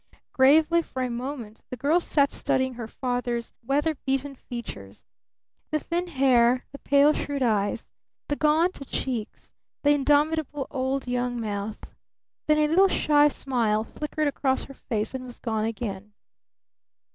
Gravely for a moment the girl sat studying her father's weather beaten features, the thin hair, the pale, shrewd eyes, the gaunt cheeks, the indomitable old young mouth. Then a little shy smile flickered across her face and was gone again.